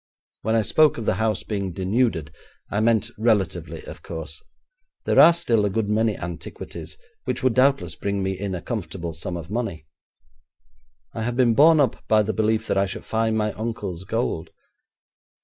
When I spoke of the house being denuded, I meant relatively, of course. There are still a good many antiquities which would doubtless bring me in a comfortable sum of money. I have been borne up by the belief that I should find my uncle's gold.